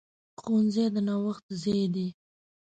ښوونځی د نوښت ځای دی.